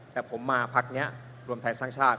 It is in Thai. แต่ผมมาพักนี้รวมไทยสร้างชาติ